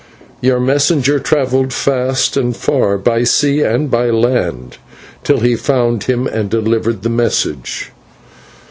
Your messenger travelled fast and far, by sea and by land, till he found him and delivered the message."